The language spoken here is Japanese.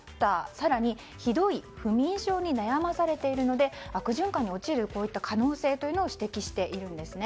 更に、ひどい不眠症に悩まされているので悪循環に陥る可能性というのを指摘しているんですね。